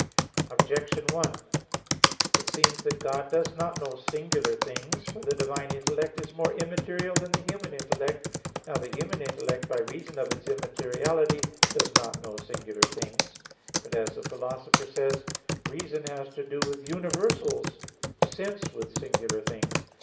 Objection 1: It seems that God does not know singular things. For the divine intellect is more immaterial than the human intellect. Now the human intellect by reason of its immateriality does not know singular things; but as the Philosopher says (De Anima ii), "reason has to do with universals, sense with singular things."